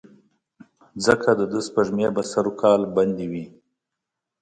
ځکه دده سپېږمې به سر وکال بندې وې.